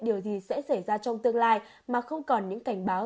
điều gì sẽ xảy ra trong tương lai mà không còn những cảnh báo